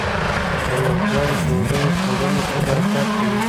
په يوه ځای ډوډۍ خوړلو کې برکت وي